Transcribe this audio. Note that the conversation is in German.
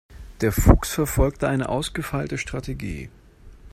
Der Fuchs verfolgt eine ausgefeilte Strategie.